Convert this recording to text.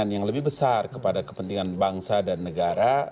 yang lebih besar kepada kepentingan bangsa dan negara